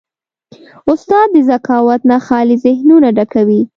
استاد د ذکاوت نه خالي ذهنونه ډکوي.